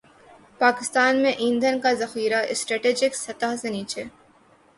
پاکستان میں ایندھن کا ذخیرہ اسٹریٹجک سطح سے نیچے